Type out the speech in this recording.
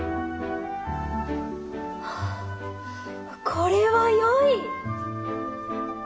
これはよい！